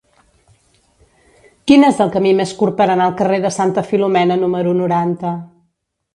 Quin és el camí més curt per anar al carrer de Santa Filomena número noranta?